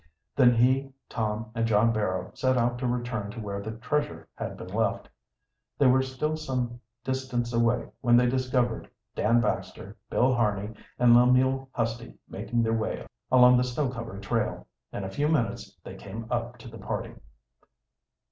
Then he, Tom, and John Barrow set out to return to where the treasure had been left. They were still some distance away when they discovered Dan Baxter, Bill Harney, and Lemuel Husty making their way along the snow covered trail. In a few minutes they came up to the party.